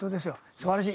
素晴らしい！